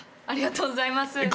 ありがとうございます。